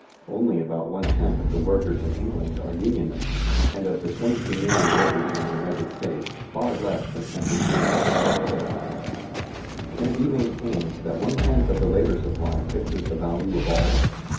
Only about one tenth of the workers in England are unionists and of the twenty two million workers in the United States, far less than ten per cent. are organized. Can it be maintained that one tenth of the labor supply fixes the value of all?